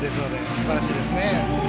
すばらしいですね。